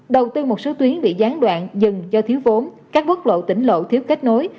đầu tư một số tuyến bị gián đoạn dừng do thiếu vốn các quốc lộ tỉnh lộ thiếu kết nối